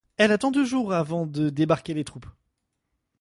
Elle attend deux jours avant de débarquer les troupes.